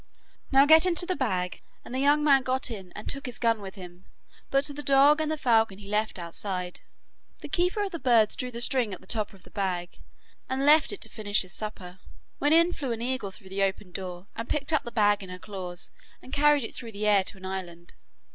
'Now get into the bag,' bade the son, and the young man got in and took his gun with him, but the dog and the falcon he left outside. The keeper of the birds drew the string at the top of the bag, and left it to finish his supper, when in flew an eagle through the open door, and picked the bag up in her claws and carried it through the air to an island.